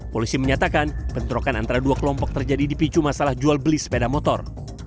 polisi menyatakan bentrokan antara dua kelompok terjadi di picu masalah jual beli sepeda motor